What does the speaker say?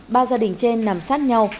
ba gia đình trên nằm sát nhau